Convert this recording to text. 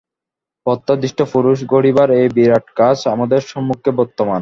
প্রত্যাদিষ্ট পুরুষ গড়িবার এই বিরাট কাজ আমাদের সম্মুখে বর্তমান।